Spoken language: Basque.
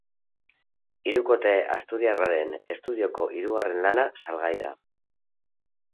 Hirukote asturiarraren estudioko hirugarren lana salgai da.